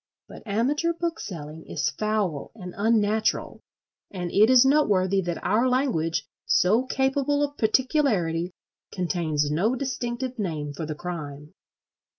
But amateur bookselling is foul and unnatural; and it is noteworthy that our language, so capable of particularity, contains no distinctive name for the crime.